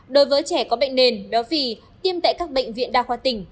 đối với trẻ có bệnh nền đó vì tiêm tại các bệnh viện đa khoa tỉnh